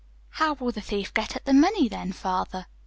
"How will the thief get at the money, then, father?"